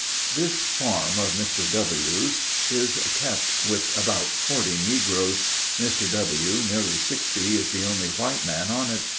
This farm of Mr. W.'s is kept with about forty negroes. Mr. W., nearly sixty, is the only white man on it.